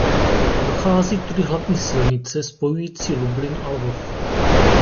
Prochází tudy hlavní silnice spojující Lublin a Lvov.